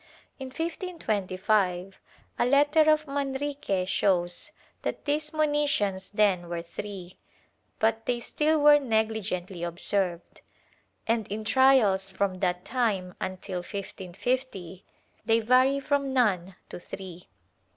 ^ In 1525 a letter of Manrique shows that these monitions then were three, but they still were negligently observed, and in trials from that time until 1550 they vary from none to three.'